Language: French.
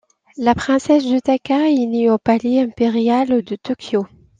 La princesse de Taka est née au palais impérial de Tokyo.